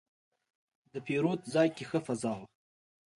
د پیرود ځای کې ښه فضا وه.